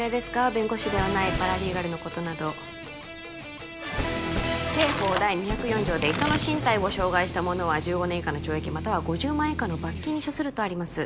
弁護士ではないパラリーガルのことなど刑法第２０４条で人の身体を傷害した者は１５年以下の懲役または５０万円以下の罰金に処するとあります